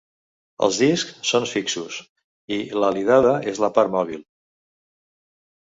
Els discs són fixos i l'alidada és la part mòbil.